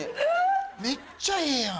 めっちゃええやん。